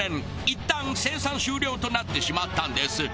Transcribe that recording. いったん生産終了となってしまったんです。